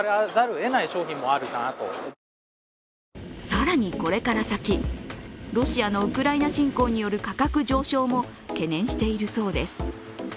更にこれから先ロシアのウクライナ侵攻による価格上昇も懸念しているそうです。